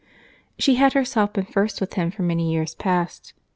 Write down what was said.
She had herself been first with him for many years past.